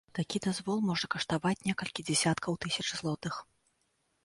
Такі дазвол можа каштаваць некалькі дзесяткаў тысяч злотых.